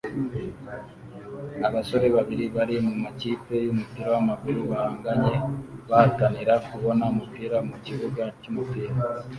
Abasore babiri bari mumakipe yumupira wamaguru bahanganye bahatanira kubona umupira mukibuga cyumupira